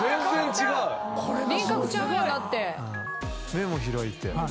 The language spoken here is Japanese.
目も開いて。